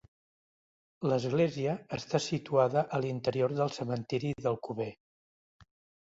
L'església està situada a l'interior del cementiri d'Alcover.